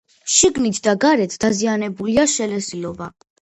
შიგნით და გარეთ დაზიანებულია შელესილობა.